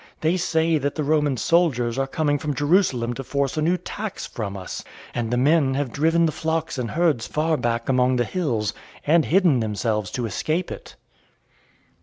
They say that the Roman soldiers are coming from Jerusalem to force a new tax from us, and the men have driven the flocks and herds far back among the hills, and hidden themselves to escape it."